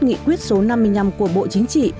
nghị quyết số năm mươi năm của bộ chính trị